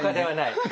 はい。